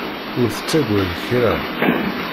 Ur tettagad kra.